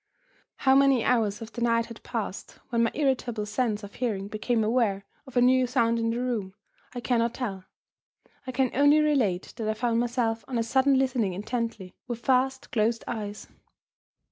How many hours of the night had passed, when my irritable sense of hearing became aware of a new sound in the room, I cannot tell. I can only relate that I found myself on a sudden listening intently, with fast closed eyes.